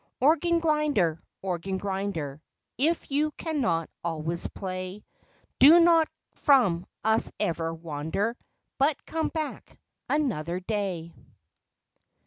Organ grinder, organ grinder, If you cannot always play, Do not from us ever wander But come back another day.